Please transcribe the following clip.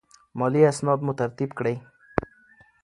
مالي اسناد مو ترتیب کړئ.